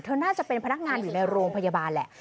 น่าจะเป็นพนักงานอยู่ในโรงพยาบาลแหละ